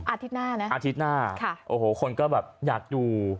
อาทิตย์หน้านะอาทิตย์หน้าโอ้โหคนก็แบบอยากดู